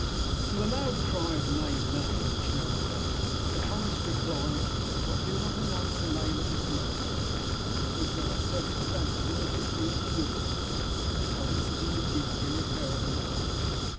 "To the loud cry of 'Name, name,' which now arose, Sir Horace replied: 'If I do not announce the name at this moment, it is because there are circumstances in the history of the youth to which publicity would give irreparable pain.